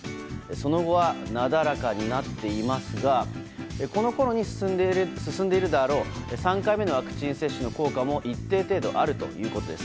その後はなだらかになっていますがこのころに進んでいるであろう３回目のワクチン接種の効果も一定程度あるということです。